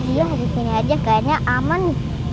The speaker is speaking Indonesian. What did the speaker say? iya disini aja kayaknya aman nih